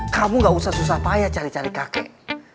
kamu gak usah susah payah cari cari kakek